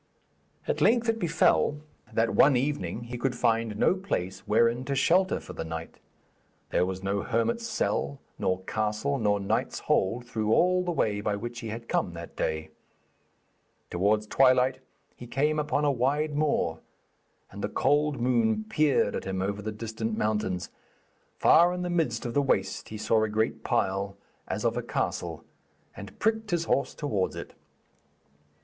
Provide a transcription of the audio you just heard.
At length it befell that one evening he could find no place wherein to shelter for the night; there was no hermit's cell nor castle nor knight's hold through all the way by which he had come that day. Towards twilight he came upon a wide moor, and the cold moon peered at him over the distant mountains. Far in the midst of the waste he saw a great pile, as of a castle, and pricked his horse towards it.